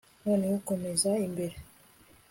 Noneho komeza imbere